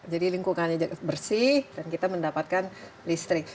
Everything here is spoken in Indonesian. jadi lingkungannya bersih dan kita mendapatkan listrik